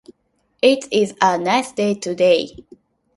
It is a nice day today.